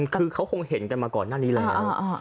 คือเขาคงเห็นกันมาก่อนหน้านี้แล้ว